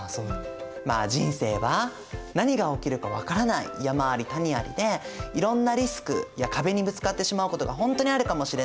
まあ人生は何が起きるか分からない山あり谷ありでいろんなリスクや壁にぶつかってしまうことが本当にあるかもしれない。